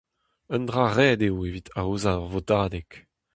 Un dra ret eo evit aozañ ur votadeg.